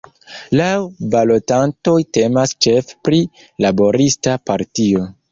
Laŭ balotantoj temas ĉefe pri laborista partio.